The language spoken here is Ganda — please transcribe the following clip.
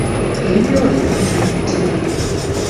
Ebibyo wabifuna ddi?